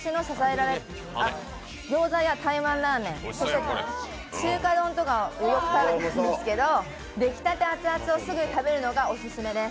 ギョーザや台湾ラーメン、中華丼とかよく食べてるんですけど、出来たてアツアツをすぐ食べるのがオススメです。